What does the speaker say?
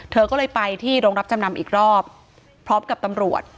เธอก็เลยไปที่โรงรับจำนำอีกรอบพร้อมกับตำรวจ